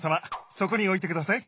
そこに置いてください。